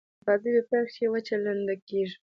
د بازي په پیل کښي وچه لنده کیږي.